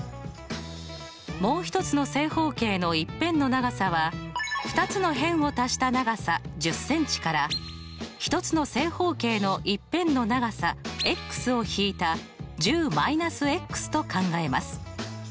もう１つの正方形の１辺の長さは２つの辺を足した長さ１０ｃｍから１つの正方形の１辺の長さを引いた１０−と考えます。